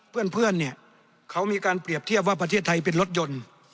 เพื่อนเนี่ยเขามีการเปรียบเทียบว่าประเทศไทยเป็นรถยนต์